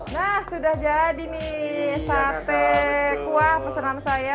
nah sudah jadi nih sate kuah pesanan saya